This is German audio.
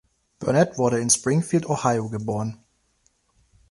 Burnett wurde in Springfield, Ohio geboren.